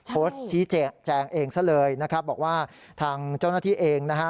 โพสต์ชี้แจงเองซะเลยนะครับบอกว่าทางเจ้าหน้าที่เองนะฮะ